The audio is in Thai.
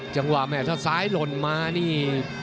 จังหวะแม่ถ้าซ้ายหล่นมานี่